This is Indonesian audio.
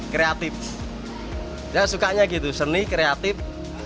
ya sukanya gitu seni kreatif